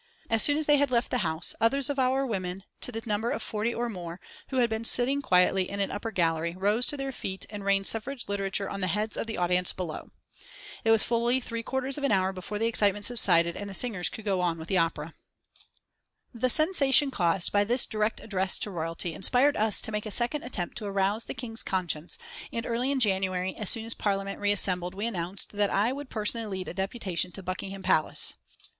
As soon as they had left the house others of our women, to the number of forty or more, who had been sitting quietly in an upper gallery, rose to their feet and rained suffrage literature on the heads of the audience below. It was fully three quarters of an hour before the excitement subsided and the singers could go on with the opera. The sensation caused by this direct address to Royalty inspired us to make a second attempt to arouse the King's conscience, and early in January, as soon as Parliament re assembled, we announced that I would personally lead a deputation to Buckingham Palace.